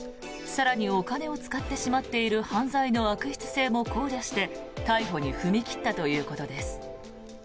更に、お金を使ってしまっている犯罪の悪質性も考慮して逮捕に踏み切ったということです。